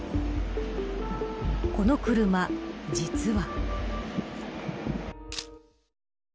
この車、実は。